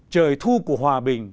trời thu của hòa bình